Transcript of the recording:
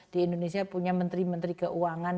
di indonesia punya menteri menteri keuangan